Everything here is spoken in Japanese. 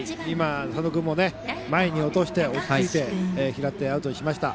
佐野君も前に落としてから拾ってアウトにしました。